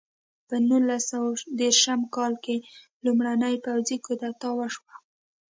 په نولس سوه دېرش کال کې لومړنۍ پوځي کودتا وشوه.